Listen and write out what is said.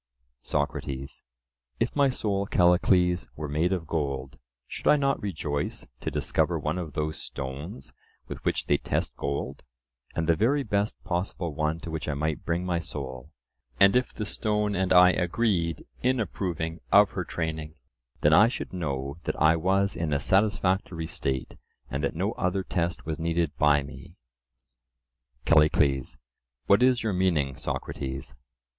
SOCRATES: If my soul, Callicles, were made of gold, should I not rejoice to discover one of those stones with which they test gold, and the very best possible one to which I might bring my soul; and if the stone and I agreed in approving of her training, then I should know that I was in a satisfactory state, and that no other test was needed by me. CALLICLES: What is your meaning, Socrates?